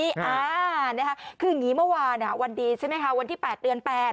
คืออย่างงี้มระวันวันดีใช่ไหมคะวันที่๘เดือน๘